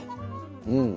うん。